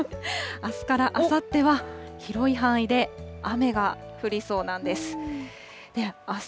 あすからあさっては広い範囲で雨が降りそうなんです。